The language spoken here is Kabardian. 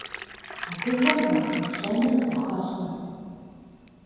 Абыхэм уахэплъэныр гухэхъуэт!